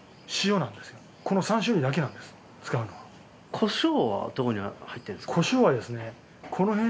胡椒はどこに入ってるんですか？